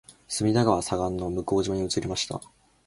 隅田川左岸の向島に移りました